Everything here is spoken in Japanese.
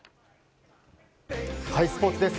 スポーツです。